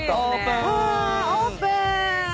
オープン！